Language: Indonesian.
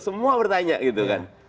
semua bertanya gitu kan